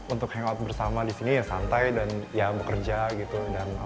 untuk hangout bersama di sini ya santai dan ya bekerja gitu